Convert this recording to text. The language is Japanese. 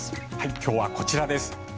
今日はこちらです。